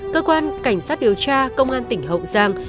cơ quan cảnh sát điều tra công an tỉnh hậu giang